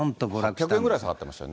１００円ぐらい下がってましたね。